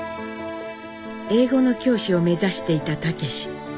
英語の教師を目指していた武。